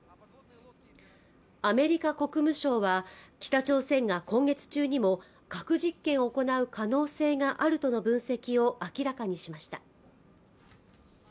アメリカ国務省は北朝鮮が今月中にも核実験を行う可能性があるとの分析を明らかにしました